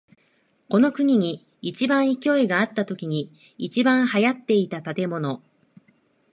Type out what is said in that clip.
この国に一番勢いがあったときに一番流行っていた建物。